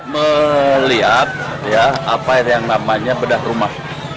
melihat apa yang namanya bedah rumah